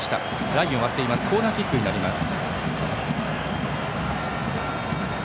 ラインを割ってコーナーキックになります。